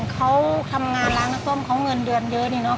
เขาทำงานร้านน้ำส้มเขาเงินเดือนเยอะนี่เนอ